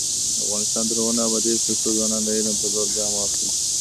افغانستان تر هغو نه ابادیږي، ترڅو ځوانان د علم په لور ګام واخلي.